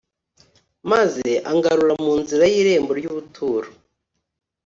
Maze angarura mu nzira y’irembo ry’ubuturo